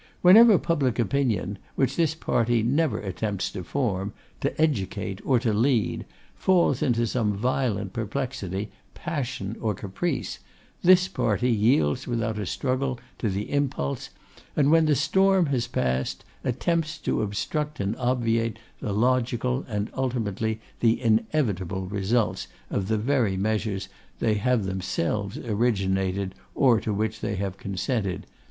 Whenever public opinion, which this party never attempts to form, to educate, or to lead, falls into some violent perplexity, passion, or caprice, this party yields without a struggle to the impulse, and, when the storm has passed, attempts to obstruct and obviate the logical and, ultimately, the inevitable results of the very measures they have themselves originated, or to which they have consented.